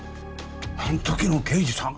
あん時の刑事さん！？